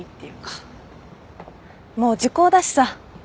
もう時効だしさ。